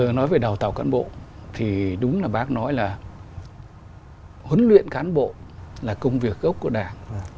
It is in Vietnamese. nói về đào tạo cán bộ thì đúng là bác nói là huấn luyện cán bộ là công việc gốc của đảng